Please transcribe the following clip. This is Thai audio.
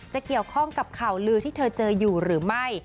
จะเกี่ยวข้องกับข่าวลือที่เธอเจออยู่หรือไม่